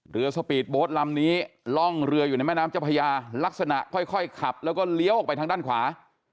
สปีดโบสต์ลำนี้ล่องเรืออยู่ในแม่น้ำเจ้าพญาลักษณะค่อยขับแล้วก็เลี้ยวออกไปทางด้านขวา